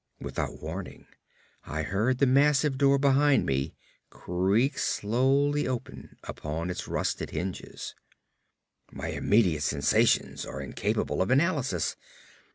Without warning, I heard the heavy door behind me creak slowly open upon its rusted hinges. My immediate sensations are incapable of analysis.